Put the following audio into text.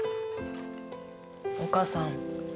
お母さん